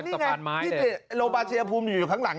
ต้องตั้งไปตรงเนียวกันโรงพยาบาลชัยพูมอยู่ข้างหลัง